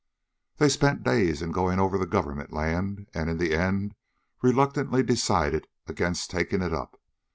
They spent days in going over the government land, and in the end reluctantly decided against taking it up.